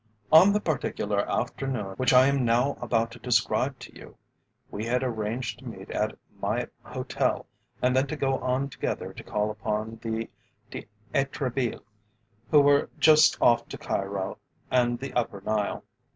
On the particular afternoon which I am now about to describe to you, we had arranged to meet at my hotel and then to go on together to call upon the D'Etrebilles, who were just off to Cairo and the Upper Nile.